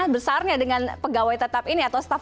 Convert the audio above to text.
besarnya dengan pegawai tetap ini atau staff